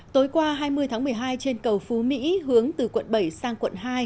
tối qua hai mươi tháng một mươi hai trên cầu phú mỹ hướng từ quận bảy sang quận hai